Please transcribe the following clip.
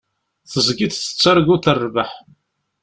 Tezgiḍ tettarguḍ rrbeḥ.